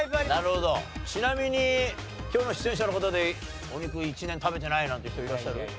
ちなみに今日の出演者の方でお肉１年食べていないなんていう人いらっしゃる？